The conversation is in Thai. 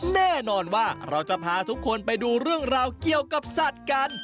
แน่นอนว่าเราจะพาทุกคนไปดูเรื่องราวเกี่ยวกับสัตว์กัน